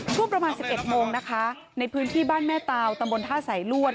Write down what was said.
ช่วงประมาณ๑๑โมงนะคะในพื้นที่บ้านแม่ตาวตำบลท่าสายลวด